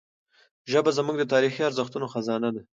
ژبه زموږ د تاریخي ارزښتونو خزانه ده.